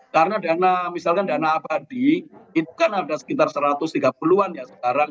karena misalkan dana abadi itu kan ada sekitar satu ratus tiga puluh an ya sekarang